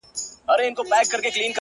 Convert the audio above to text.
هغه هم نسته جدا سوی يمه ـ